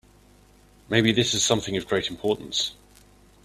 Maybe this is something of great importance.